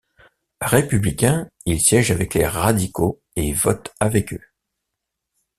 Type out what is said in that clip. Républicain, il siège avec les radicaux et vote avec eux.